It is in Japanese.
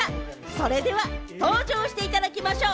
それでは登場していただきましょう。